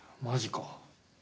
マジか。